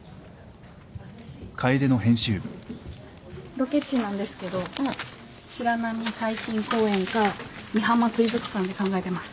ロケ地なんですけどしらなみ海浜公園かみはま水族館で考えてます。